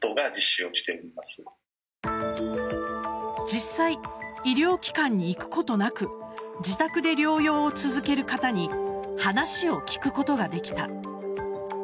実際、医療機関に行くことなく自宅で療養を続ける方に話を聞くことができた。